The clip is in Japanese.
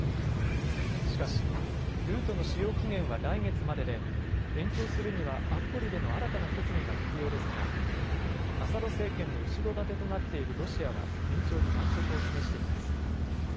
しかし、ルートの使用期限は来月までで延長するには安保理での新たな決議が必要ですがアサド政権の後ろ盾となっているロシアは延長に難色を示しています。